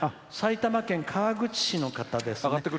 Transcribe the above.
埼玉県川口市の方ですね。